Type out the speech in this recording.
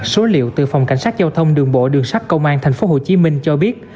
số liệu từ phòng cảnh sát giao thông đường bộ đường sát công an thành phố hồ chí minh cho biết